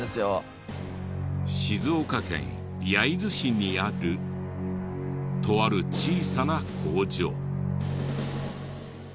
静岡県焼津市にあるとある小さな工場。